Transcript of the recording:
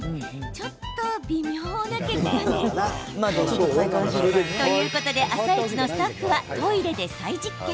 ちょっと微妙な結果に。ということで「あさイチ」のスタッフはトイレで再実験。